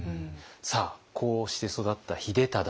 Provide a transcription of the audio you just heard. さあこうして育った秀忠。